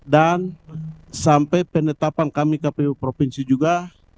dan sampai penetapan kami kpu provinsi juga